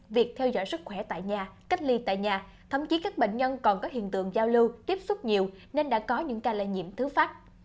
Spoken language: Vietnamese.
việc theo dõi sức khỏe tại nhà cách ly tại nhà thậm chí các bệnh nhân còn có hiện tượng giao lưu tiếp xúc nhiều nên đã có những ca lây nhiễm thứ phát